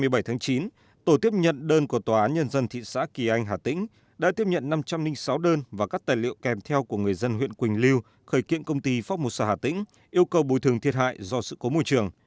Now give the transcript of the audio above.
ngày hai mươi sáu và hai mươi bảy tháng chín tổ tiếp nhận đơn của tòa án nhân dân thị xã kỳ anh hà tĩnh đã tiếp nhận năm trăm linh sáu đơn và các tài liệu kèm theo của người dân huyện quỳnh lưu khởi kiện công ty phong mô xa hà tĩnh yêu cầu bồi thường thiệt hại do sự cố môi trường